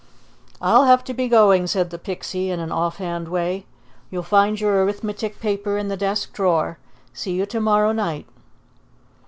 "I'll have to be going," said the Pixie in an offhand way. "You'll find your arithmetic paper in the desk drawer. See you to morrow night."